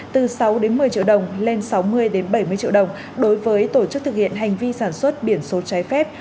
từ sáu một mươi triệu đồng lên sáu mươi bảy mươi triệu đồng đối với tổ chức thực hiện hành vi sản xuất biển số trái phép